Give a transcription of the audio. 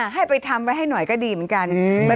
ให้ไปทำไว้ให้หน่อยก็ดีเหมือนกัน